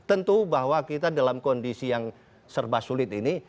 tentu bahwa kita dalam kondisi yang serba sulit ini